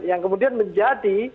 yang kemudian menjadi